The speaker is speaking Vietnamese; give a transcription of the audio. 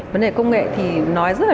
vấn đề công nghệ thì nói rất là nhiều